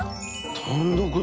単独だ。